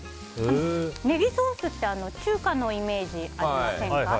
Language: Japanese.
ネギソースって中華のイメージありませんか？